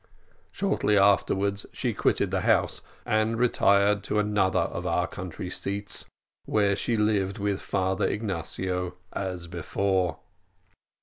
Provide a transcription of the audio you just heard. Shortly afterwards she quitted the house and retired to another of our country seats, where she lived with Father Ignatio as before.